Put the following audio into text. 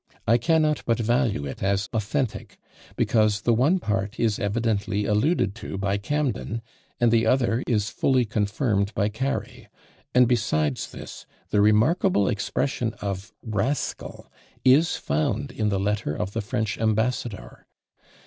I cannot but value it as authentic, because the one part is evidently alluded to by Camden, and the other is fully confirmed by Cary; and besides this, the remarkable expression of "rascal" is found in the letter of the French ambassador.